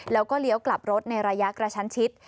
แล้วก็เลี้ยวกลับรถในระยะกระชั้นชิด